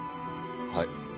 はい。